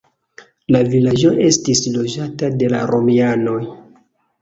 La vilaĝo estis loĝata de la romianoj.